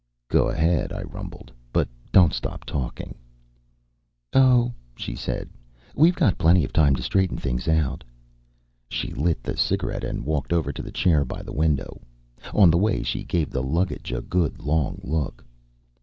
"Go ahead," I rumbled. "But don't stop talking!" "Oh," she said, "we've got plenty of time to straighten things out." She lit the cigarette and walked over to the chair by the window. On the way, she gave the luggage a good long look.